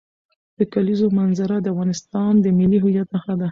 د کلیزو منظره د افغانستان د ملي هویت نښه ده.